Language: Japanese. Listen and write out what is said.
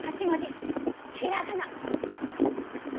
４８文字ひらがな。